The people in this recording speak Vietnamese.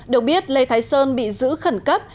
được biết lê thái sơn bị giữ khẩn cấp